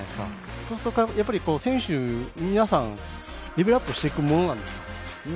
そうすると選手の皆さんレベルアップしていくものなんですか？